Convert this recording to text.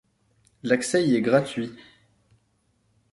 L'accès y est gratuit.